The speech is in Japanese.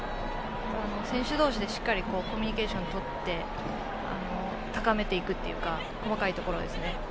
選手同士でしっかりとコミュニケーションをとって高めていくというか細かいところをですね。